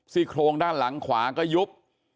โครงด้านหลังขวาก็ยุบ